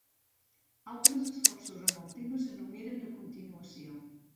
Altres esforços en el tema s'enumeren a continuació.